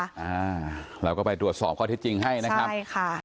เราก็ไปดวชสอบข้อที่จริงให้นะครับ